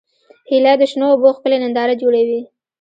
هیلۍ د شنو اوبو ښکلې ننداره جوړوي